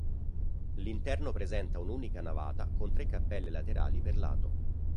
L'interno presenta un'unica navata con tre cappelle laterali per lato.